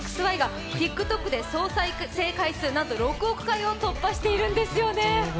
この「Ｗ／Ｘ／Ｙ」がＴｉｋＴｏｋで総再生回数なんと６億回を突破しているんですよね。